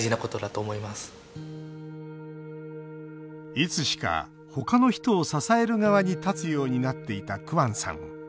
いつしか他の人を支える側に立つようになっていたクアンさん。